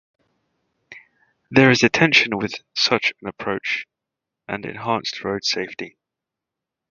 There is a tension with such an approach and enhanced road safety.